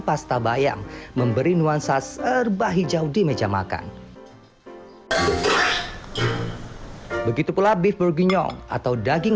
pasta bayang memberi nuansa serba hijau di meja makan begitu pula beef berginyong atau daging